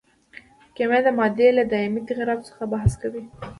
کیمیا د مادې له دایمي تغیراتو څخه بحث کوي.